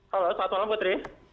halo selamat malam putri